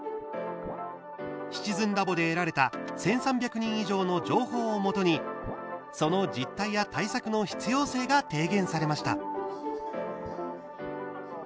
「シチズンラボ」で得られた１３００人以上の情報をもとにその実態や対策の必要性が提言されました。